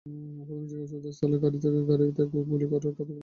প্রাথমিক জিজ্ঞাসাবাদে সালেক গাড়িতে গুলি করার কথা পুলিশের কাছে স্বীকার করেছে।